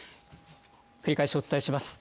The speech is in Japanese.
繰り返しお伝えします。